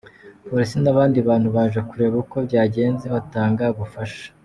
Polisi n’abandi bantu baje kureba uko byagenze batanga ubufasha.